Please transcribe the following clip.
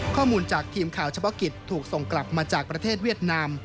ข้อมูลจากทีมข่าวเฉพาะกิจถูกส่งกลับมาจากประเทศเวียดนาม